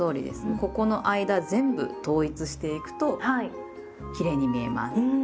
ここの間全部統一していくときれいに見えます。